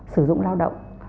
sử dụng lao động